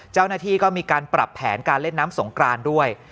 เจ้าหน้าที่ก็มีการปรับแผนการเล่นน้ำสงกรานด้วย